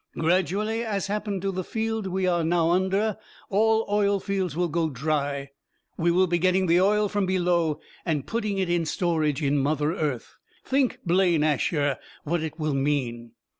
"Gradually, as happened to the field we are now under, all oil fields will go dry. We will be getting the oil from below, and putting it in storage in mother earth. Think, Blaine Asher, what it will mean!"